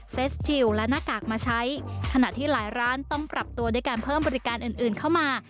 เซสชิลและหน้ากากมาใช้ขณะที่หลายร้านต้องปรับตัวด้วยการเพิ่มบริการอื่นอื่นเข้ามา